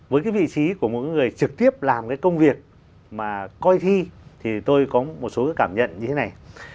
với vị trí của một người trực tiếp làm công việc coi thi tôi có một số cảm nhận như thế này